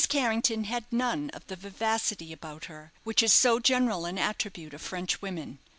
Carrington had none of the vivacity about her which is so general an attribute of French women.